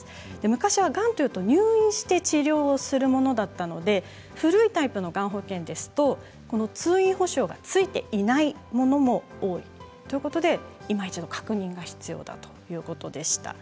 昔は、がんといえば入院して治療するものだったので古いタイプのがん保険ですとこの通院保障がついていないものも多いということでいま一度確認が必要だということでした。